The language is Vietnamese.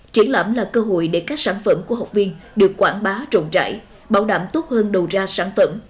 triển lãm là cơ hội để các sản phẩm của học viên được quảng bá rộng rãi bảo đảm tốt hơn đầu ra sản phẩm